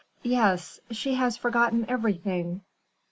"Yes. She has forgotten everything."